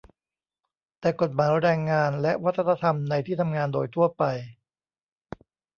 แต่กฎหมายแรงงานและวัฒนธรรมในที่ทำงานโดยทั่วไป